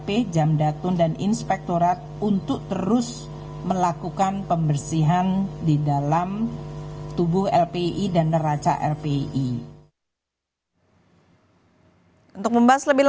kami juga mendorong inspektorat untuk terus melakukan pembersihan di dalam tubuh lpei dan neraca lpei